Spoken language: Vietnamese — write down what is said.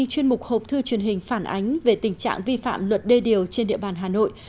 chương trình phản ánh về tình trạng vi phạm luật đê điều trên địa bàn hà nội